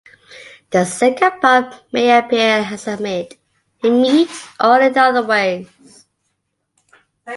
The second part may appear as Hamid, Hameed, or in other ways.